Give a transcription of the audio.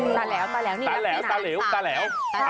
ตาเหลวตาเหลวตาเหลวตาเหลว